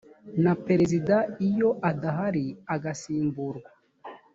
na perezida iyo adahari agasimburwa